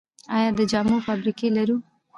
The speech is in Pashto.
آیا د جامو فابریکې لرو؟